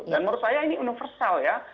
dan menurut saya ini universal ya